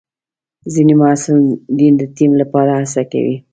ځینې محصلین د ټیم لپاره هڅه کوي.